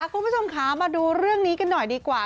คุณผู้ชมค่ะมาดูเรื่องนี้กันหน่อยดีกว่า